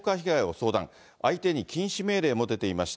相手に禁止命令も出ていました。